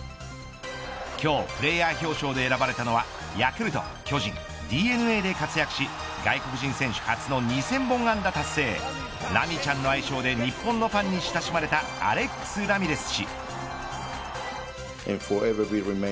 今日、プレーヤー表彰で選ばれたのはヤクルト、巨人、ＤｅＮＡで活躍し外国人選手初の２０００本安打達成ラミちゃんの愛称で日本のファンに親しまれたアレックス・ラミレス氏。